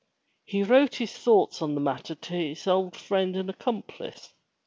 He wrote his thoughts on that matter to his old friend and accomplice.